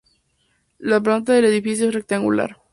La planta del edificio es rectangular.